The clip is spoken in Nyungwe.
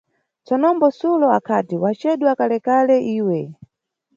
Tsonombo Sulo akhati: wacedwa kale-kale iwe.